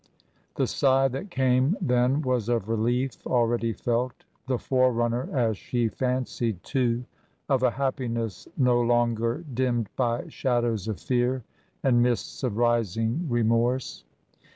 The sigh that came then was of relief already felt, the forerunner, as she fancied, too, of a happiness no longer dimmed by shadows of fear and mists of rising remorse.